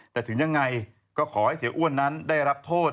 แต่ถึงยังไงก็ขอให้เสียอ้วนนั้นได้รับโทษ